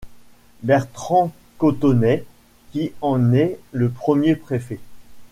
Bertrand Cothonay qui en est le premier préfet.